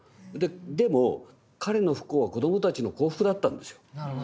でも彼の不幸は子どもたちの幸福だったんですよ。